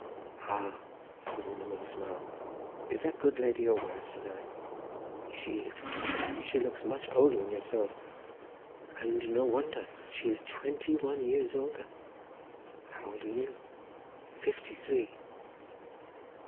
"Ah!" said the woman with a smile. "Is that good lady your wife?" said I. "She is." "She looks much older than yourself." "And no wonder. She is twenty one years older." "How old are you?" "Fifty three."